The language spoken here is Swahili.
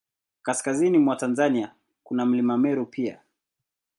Kaskazini mwa Tanzania, kuna Mlima Meru pia.